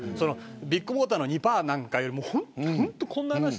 ビッグモーターの２％なんかよりも本当に小さい。